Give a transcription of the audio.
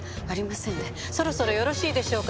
そろそろよろしいでしょうか？